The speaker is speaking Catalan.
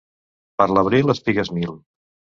Per l'abril, espigues mil.